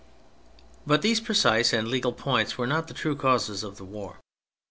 But these precise and legal points were not the true causes of the war.